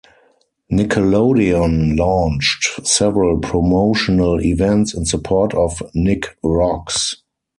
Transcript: Nickelodeon launched several promotional events in support of "Nick Rocks".